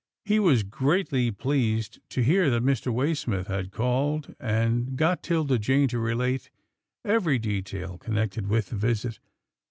He was greatly pleased to hear that Mr. Waysmith had called, and got 'Tilda Jane to relate every detail connected with the visit.